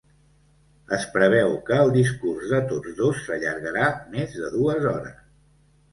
Es preveu que el discurs de tots dos s’allargarà més de dues hores.